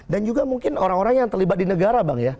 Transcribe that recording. dan juga mungkin orang orang yang terlibat di negara bang ya